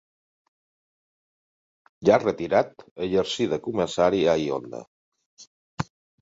Ja retirat, exercí de comissari a i Honda.